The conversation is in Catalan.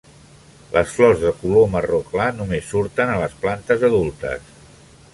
Les flors de color marró clar només surten a les plantes adultes.